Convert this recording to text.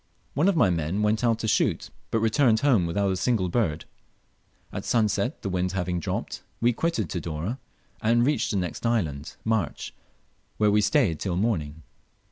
One of my men went out to shoot, but returned home without a single bird. At sunset, the wind having dropped, we quitted Tidore, and reached the next island, March, where we stayed till morning.